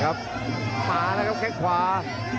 มาแล้วครับแค่งขวา